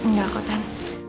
nggak kok tan